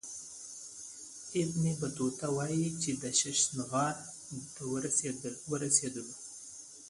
ابن بطوطه وايي چې ششنغار ته ورسېدلو.